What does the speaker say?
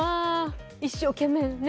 一生懸命ね。